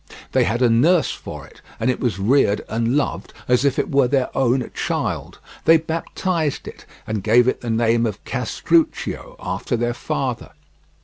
They had a nurse for it, and it was reared and loved as if it were their own child. They baptized it, and gave it the name of Castruccio after their father.